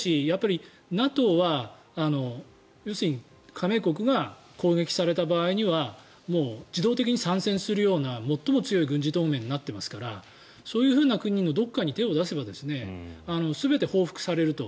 しかし、ＮＡＴＯは要するに加盟国が攻撃された場合にはもう自動的に参戦するような最も強い軍事同盟になっていますからそういうふうな国のどこかに手を出せば、全て報復されると。